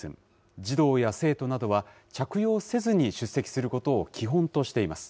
児童や生徒などは、着用せずに出席することを基本としています。